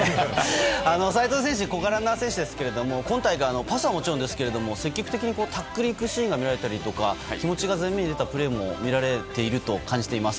齋藤選手は小柄な選手ですが今大会、パスはもちろんですけど積極的にタックルに行くシーンが見られたりとか気持ちが前面に出たプレーも見られていると感じています。